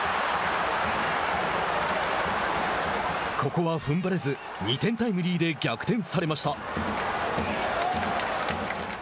ここは、ふんばれず２点タイムリーで逆転されました。